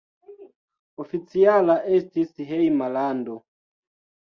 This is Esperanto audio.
Oficiala estis hejma lando.